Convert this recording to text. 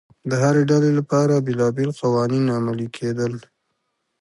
د هرې ډلې لپاره بېلابېل قوانین عملي کېدل